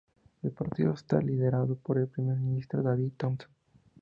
El partido está liderado por el primer ministro David Thompson.